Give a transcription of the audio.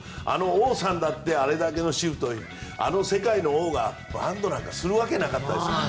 王さんだってあれだけのシフトであの世界の王がバントなんかするわけなかったですから。